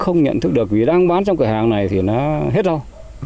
không nhận thức được vì đang bán trong cửa hàng này thì nó hết lâu